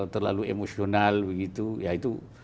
terlalu emosional begitu